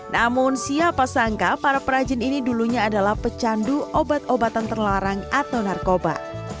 namun siapa sangka para perajin ini dulunya adalah pecandu obat obatan terlarang atau narkoba